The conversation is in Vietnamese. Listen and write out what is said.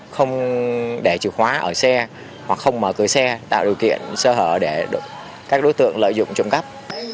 không để chìa khóa ở xe hoặc không mở cửa xe tạo điều kiện sơ hở để các đối tượng lợi dụng trộm cắp